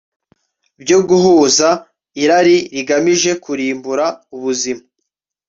byo guhaza irari rigamije kurimbura ubuzima